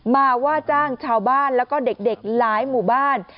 ว่าจ้างชาวบ้านแล้วก็เด็กหลายหมู่บ้าน